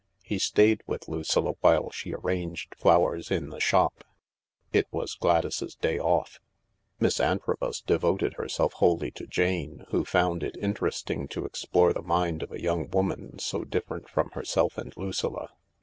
He stayed with Lucilla while she arranged flowers in the shop. It was Gladys's " day off." Miss Antrobus devoted herself wholly to Jane, who found it interesting to explore the mind of a young woman so dif ferent from herself and Lucilla.